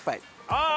ああ！